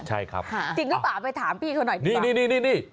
จิ๊กน้องป่าไปถามพี่เขาหน่อย